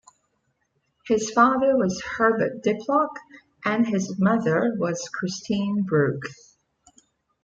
His father was Herbert Diplock and his mother was Christine Brooke.